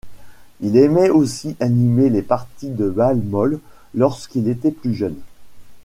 Il aimait aussi animer les parties de balle molle lorsqu'il était plus jeune.